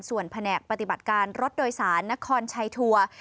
ส่วนแผนกปฏิบัติการรถโดยสารนครชัยทัวร์